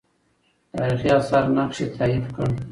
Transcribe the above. تاریخي آثار نقش یې تایید کړ.